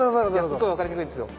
すっごい分かりにくいんですよ。